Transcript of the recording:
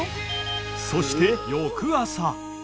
［そして翌朝］